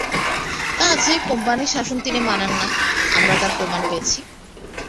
তা আছে– কোম্পানির শাসন তিনি মানেন না, আমি তার প্রমাণ পেয়েছি।